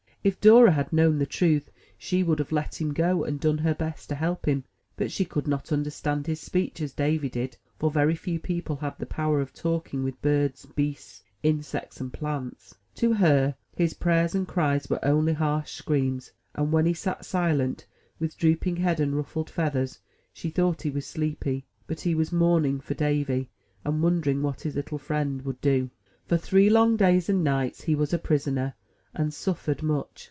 If Dora had known the truth, she would have let him go, and done her best to help him; but she could not understand his speech, as Davy did, for very few people have the power of talking with birds, beasts, insects, and plants. To her, his prayers and cries were only harsh screams; and, when he sat silent, with drooping head and ruffled feathers, she thought he was sleepy: but he was mourning for Davy, and wondering what his Uttle friend would do. For three long days and nights he was a prisoner, and suffered much.